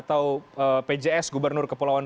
pemerintahan umum kemendagri atau pjs gubernur kepulauan